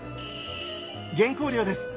原稿料です。